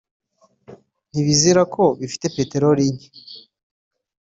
ntibizira ko bifite peteroli nke